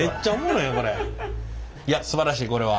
いやすばらしいこれは。